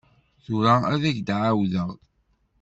Tura ad ak-d-ɛawdeɣ.